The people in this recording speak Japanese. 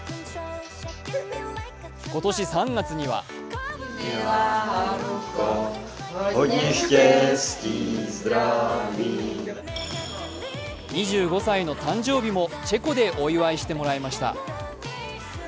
今年３月には２５歳の誕生日もチェコでお祝いしてもらいました。